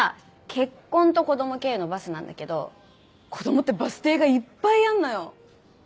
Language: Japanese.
「結婚と子供」経由のバスなんだけど子供ってバス停がいっぱいあんのよ。